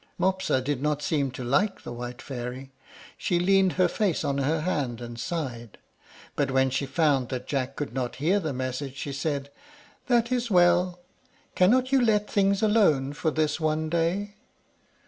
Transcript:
Mopsa did not seem to like the white fairy; she leaned her face on her hand and sighed; but when she found that Jack could not hear the message, she said, "That is well. Cannot you let things alone for this one day?"